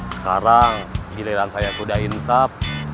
sekarang giliran saya kuda insap